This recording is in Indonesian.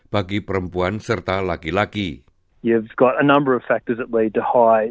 bagi perempuan sering berpengalaman dan berpengalaman lebih tinggi